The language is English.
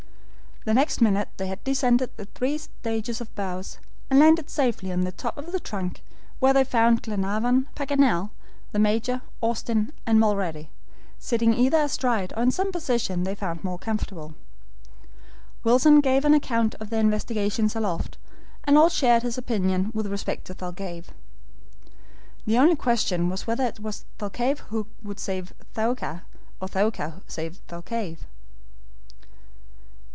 Next minute they had descended the three stages of boughs, and landed safely on the top of the trunk, where they found Glenarvan, Paganel, the Major, Austin, and Mulrady, sitting either astride or in some position they found more comfortable. Wilson gave an account of their investigations aloft, and all shared his opinion with respect to Thalcave. The only question was whether it was Thalcave who would save Thaouka, or Thaouka save Thalcave.